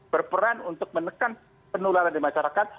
berperan untuk menekan penularan di masyarakat